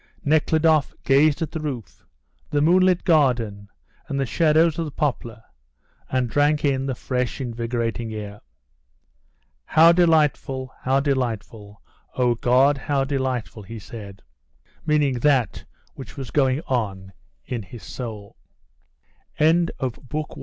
Nekhludoff gazed at the roof, the moonlit garden, and the shadows of the poplar, and drank in the fresh, invigorating air. "How delightful, how delightful; oh, God, how delightful," he said, meaning that which was going on in his soul. CHAPTER XXIX.